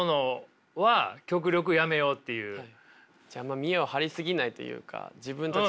あんま見えを張り過ぎないというか自分たちの。